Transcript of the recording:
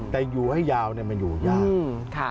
แต่อยู่ให้ยาวมันอยู่ยาก